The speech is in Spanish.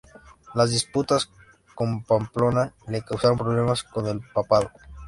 Las disputas con Pamplona le causaron problemas con el papado.